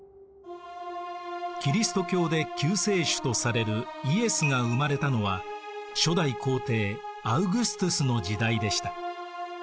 キリスト教で救世主とされるイエスが生まれたのは初代皇帝アウグストゥスの時代でした。